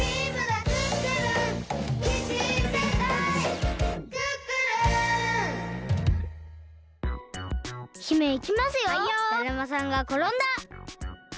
だるまさんがころんだ！